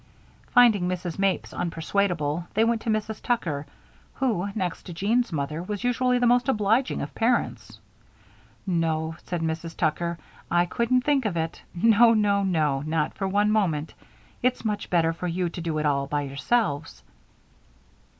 Finding Mrs. Mapes unpersuadable, they went to Mrs. Tucker, who, next to Jean's mother, was usually the most obliging of parents. "No," said Mrs. Tucker, "I couldn't think of it. No, no, no, not for one moment. It's much better for you to do it all by yourselves."